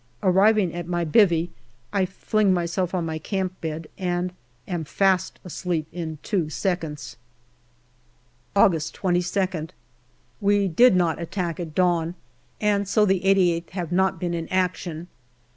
Arriving at my " bivvy," I fling myself on my camp bed and am fast asleep in two seconds. August 22nd. We did not attack at dawn, and so the 88th have not been in action.